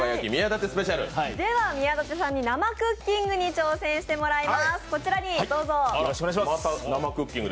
では宮舘さんに生クッキングに挑戦してもらいます。